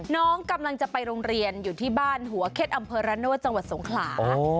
น้องกำลังจะไปโรงเรียนอยู่ที่บ้านหัวเข็ดอำเภอระโนธจังหวัดสงขลา